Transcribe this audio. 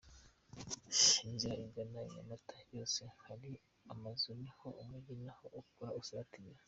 Inzira igana i Nyamata yose hari amazu niho umugi naho ukura usatira.